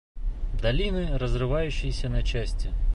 Долины разрывающийся на части.